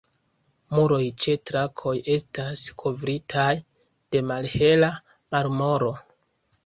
Muroj ĉe trakoj estas kovritaj de malhela marmoro.